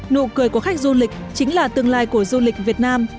nụ cười của khách du lịch chính là tương lai của du lịch việt nam